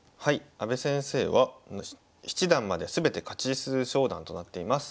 阿部先生は七段まで全て勝ち数昇段となっています。